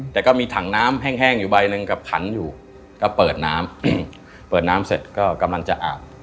แต่ก็มีถังน้ำแห้งอยู่ใบหนึ่งกับขันอยู่ก็เปิดน้ำเปิดน้ำเสร็จก็กำลังจะอาบ